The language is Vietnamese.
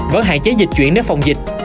vẫn hạn chế dịch chuyển đến phòng dịch